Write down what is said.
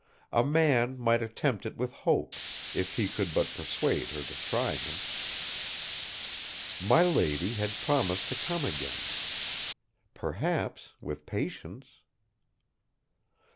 A man might attempt it with hope, if he could but persuade her to try him. My lady had promised to come again. Perhaps, with patience